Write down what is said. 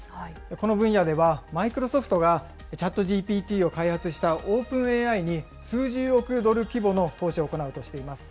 この分野では、マイクロソフトがＣｈａｔＧＰＴを開発したオープンＡＩに、数十億ドル規模の投資を行うとしています。